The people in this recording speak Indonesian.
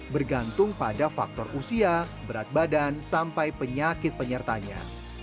bergantung pada faktor usia berat badan sampai penyakit penyertanya